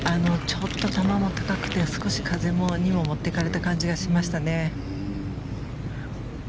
ちょっと球も高くて風に持っていかれた感じもしましたね。